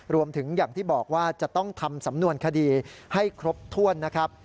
อย่างที่บอกว่าจะต้องทำสำนวนคดีให้ครบถ้วนนะครับ